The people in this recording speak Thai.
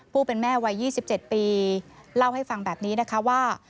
ผู้เป็นแม่วัย๒๗ปีเล่าให้ฟังแบบนี้นะคะว่า